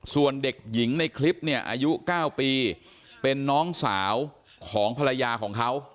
ส่วนเด็กหญิงในคลิปเนี่ยอายุ๙ปีเป็นน้องสาวของภรรยาของเขา